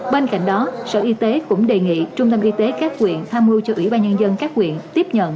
bên cạnh đó sở y tế cũng đề nghị trung tâm y tế các quyện tham mưu cho ủy ban nhân dân các quyện tiếp nhận